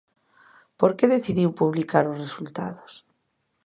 Por que decidiu publicar os resultados?